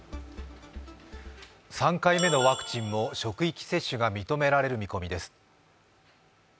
３回目のワクチンも職域接種が認められる見込みです。